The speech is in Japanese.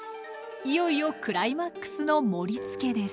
いよいよクライマックスの盛りつけです。